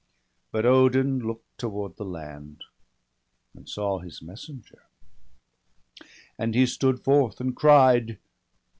But Odin look'd toward the land, and saw His messenger; and he stood forth, and cried.